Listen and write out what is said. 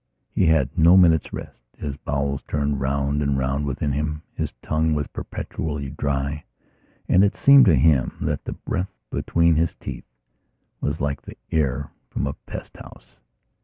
He had no minute's rest; his bowels turned round and round within him: his tongue was perpetually dry and it seemed to him that the breath between his teeth was like air from a pest house.